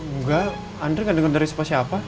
enggak andri gak denger dari siapa siapa